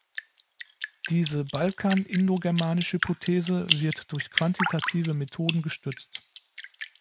Diese Balkanindogermanisch-Hypothese wird durch quantitative Methoden gestützt.